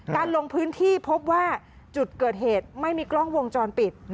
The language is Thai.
ลงพื้นที่พบว่าจุดเกิดเหตุไม่มีกล้องวงจรปิด